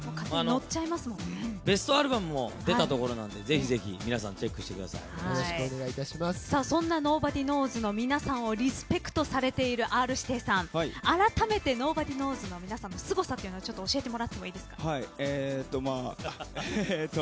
ベストアルバムも出たところなのでそのｎｏｂｏｄｙｋｎｏｗｓ＋の皆さんをリスペクトされているＲ‐指定さんあらためてｎｏｂｏｄｙｋｎｏｗｓ＋の皆さんのすごさを教えてもらってもいいですか？